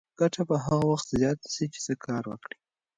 ګټه به هغه وخت زیاته شي چې ته کار وکړې.